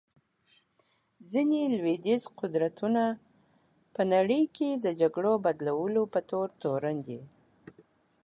ځینې لوېدیځ قدرتونه په نړۍ کې د جګړو بلولو په تور تورن دي.